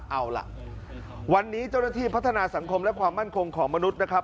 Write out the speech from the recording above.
เอาล่ะวันนี้เจ้าหน้าที่พัฒนาสังคมและความมั่นคงของมนุษย์นะครับ